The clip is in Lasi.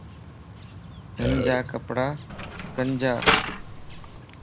ھنجا ڪپڙا ڪنجان